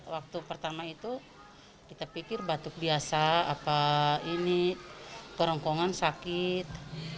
waktu pertama itu kita pikir batuk biasa ini kerongkongan sakit